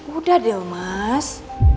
udah deh mas